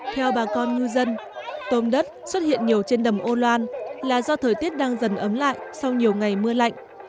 theo bà con ngư dân tôm đất xuất hiện nhiều trên đầm âu loan là do thời tiết đang dần ấm lại sau nhiều ngày mưa lạnh